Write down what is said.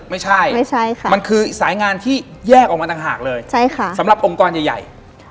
ไม่ใช่ไม่ใช่ค่ะมันคือสายงานที่แยกออกมาต่างหากเลยสำหรับองค์กรใหญ่